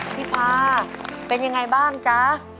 พี่ภาคเป็นอย่างไรบ้างจ๊ะ